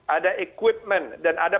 ada equipment dan ada